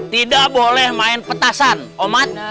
tidak boleh main petasan oman